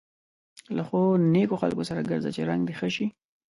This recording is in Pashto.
له ښو نېکو خلکو سره ګرځه چې رنګه دې ښه شي.